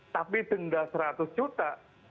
tapi denda seratus juta